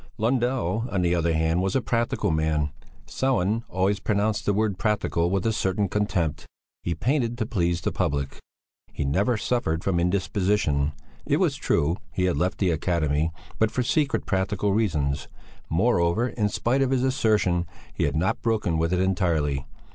Lundell, on the other hand, was a practical man Sellén always pronounced the word practical with a certain contempt he painted to please the public. He never suffered from indisposition; it was true he had left the Academy, but for secret, practical reasons; moreover, in spite of his assertion, he had not broken with it entirely.